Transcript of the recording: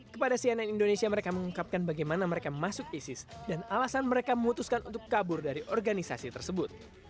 kepada cnn indonesia mereka mengungkapkan bagaimana mereka masuk isis dan alasan mereka memutuskan untuk kabur dari organisasi tersebut